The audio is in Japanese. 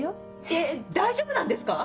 えっ大丈夫なんですか？